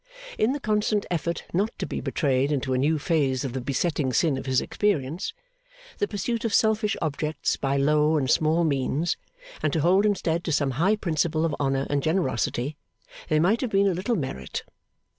In the constant effort not to be betrayed into a new phase of the besetting sin of his experience, the pursuit of selfish objects by low and small means, and to hold instead to some high principle of honour and generosity, there might have been a little merit.